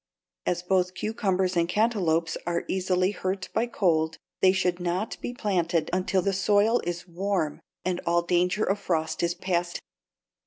As both cucumbers and cantaloupes are easily hurt by cold, they should not be planted until the soil is warm and all danger of frost is past.